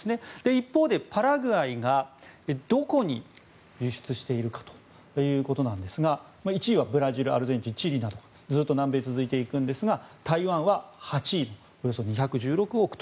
一方、パラグアイがどこに輸出しているかですが１位はブラジル、アルゼンチンチリなど南米が続いていくんですが台湾は８位で、およそ２１６億。